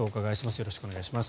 よろしくお願いします。